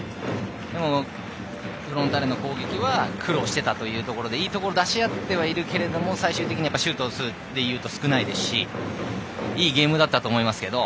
でもフロンターレの攻撃が苦労していたというところでいいところを出し合ってはいるけれど最終的にシュートを打つのは少ないですしいいゲームだったと思いますけど。